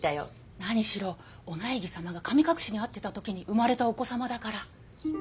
なにしろお内儀様が神隠しにあってたときに生まれたお子様だから。